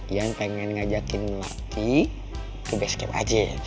yan pengen ngajakin lati ke basket aja ya